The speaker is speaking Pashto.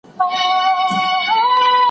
ما مخکي درس لوستی و.